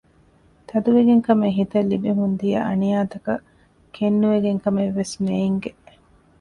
ތަދުވެގެން ކަމެއް ހިތަށް ލިބެމުންދިޔަ އަނިޔާތަކަށް ކެތްނުވެގެން ކަމެއް ވެސް ނޭންގެ